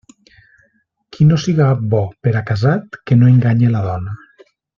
Qui no siga bo per a casat, que no enganye la dona.